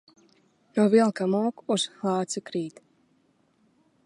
No vilka mūk, uz lāci krīt.